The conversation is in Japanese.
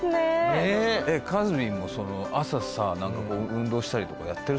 かずみんもその朝さ何かこう運動したりとかやってる？